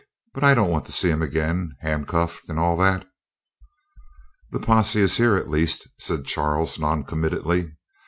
But I don't want to see him again. Handcuffed, and all that." "The posse is here, at least," said Charles noncommittally.